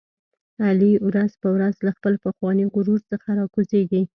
علي ورځ په ورځ له خپل پخواني غرور څخه را کوزېږي.